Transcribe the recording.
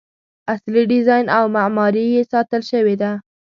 اصلي ډیزاین او معماري یې ساتل شوې ده.